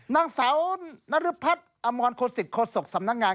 นางเสานริพัฒน์อมโคศิษฐโคศกสำนักงาน